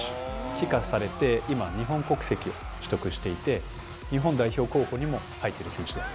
帰化されて今、日本国籍を取得していて日本代表候補にも入ってる選手です。